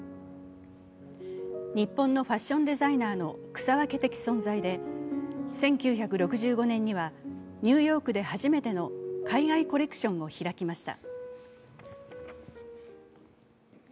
日本のファッションデザイナーの草分け的存在で１９６５年にはニューヨークで初めての海外コレクションを開きました。